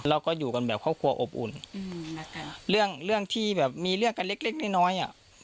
เราก็อยู่กันแบบครอบครัวอบอุ่นเรื่องเรื่องที่แบบมีเรื่องกันเล็กเล็กน้อยน้อยอ่ะ